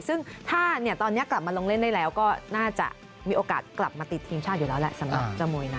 ซึ่งถ้าตอนนี้กลับมาลงเล่นได้แล้วก็น่าจะมีโอกาสกลับมาติดทีมชาติอยู่แล้วแหละสำหรับเจ้ามวยนะ